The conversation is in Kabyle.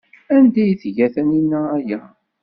Anda ay tga Taninna aya?